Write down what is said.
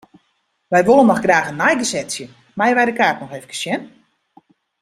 Wy wolle noch graach in neigesetsje, meie wy de kaart noch efkes sjen?